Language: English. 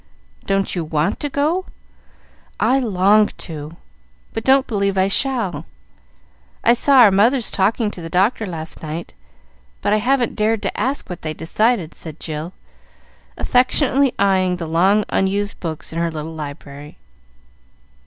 "Don't you want to go? I long to, but don't believe I shall. I saw our mothers talking to the doctor last night, but I haven't dared to ask what they decided," said Jill, affectionately eying the long unused books in her little library.